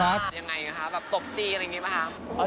เป็นทองมันเป็นของนอกกายแต่ฝักศรีถ้าคุณขายให้ใครไปแล้ว